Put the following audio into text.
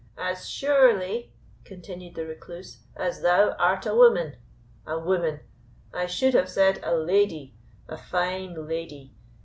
"As surely," continued the Recluse, "as thou art a woman. A woman! I should have said a lady a fine lady.